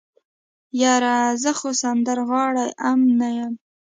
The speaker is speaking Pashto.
يره زه خو سندرغاړی ام نه يم.